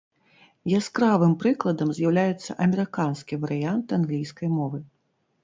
Яскравым прыкладам з'яўляецца амерыканскі варыянт англійскай мовы.